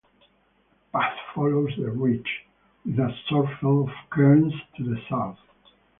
A path follows the ridge, with a surfeit of cairns to the south.